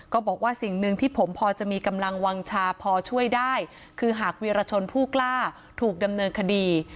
บอกว่าสิ่งหนึ่งที่ผมพอจะมีกำลังวางชาพอช่วยได้คือหากวีรชนผู้กล้าถูกดำเนินคดี